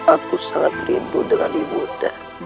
aku sangat rindu dengan ibu undah